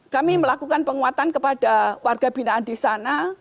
kami melakukan penguatan kepada warga binaan di sana